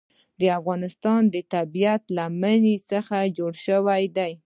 د افغانستان طبیعت له منی څخه جوړ شوی دی.